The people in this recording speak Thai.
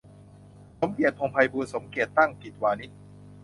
สมเกียรติ พงษ์ไพบูลย์ สมเกียรติ ตั้งกิจวานิชย์